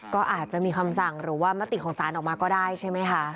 ก็อาจจะมีคำสั่งหรือว่ามติของสารออกมาก็ได้ใช่ไหมคะ